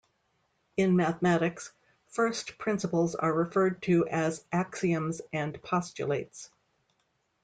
In mathematics, first principles are referred to as axioms and postulates.